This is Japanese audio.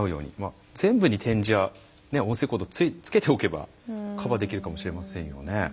全部に点字や音声コードをつけておけばカバーできるかもしれませんよね。